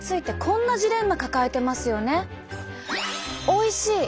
おいしい。